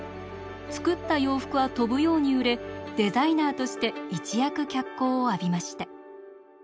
作った洋服は飛ぶように売れデザイナーとして一躍脚光を浴びました。